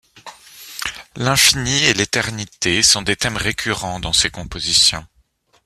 L'infini et l'éternité sont des thèmes récurrents dans ses compositions.